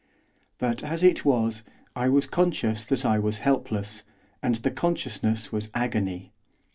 But, as it was, I was conscious that I was helpless, and the consciousness was agony.